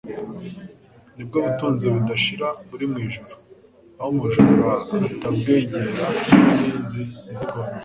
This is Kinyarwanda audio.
ni bwo butunzi budashira buri mu ijuru, aho umujura atabwegera n'inyenzi ntizibwonone,